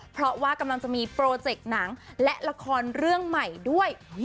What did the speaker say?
เพราะว่ากำลังจะมีโปรเจกต์หนังและละครเรื่องใหม่ด้วย